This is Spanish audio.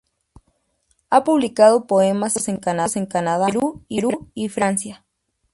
Ha publicado poemas y cuentos en Canadá, Perú y Francia.